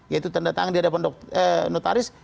yaitu tanda tangan di hadapan notaris